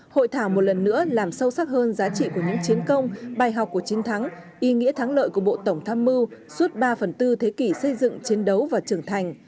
hội thảo một lần nữa làm sâu sắc hơn giá trị của những chiến công bài học của chiến thắng ý nghĩa thắng lợi của bộ tổng tham mưu suốt ba phần tư thế kỷ xây dựng chiến đấu và trưởng thành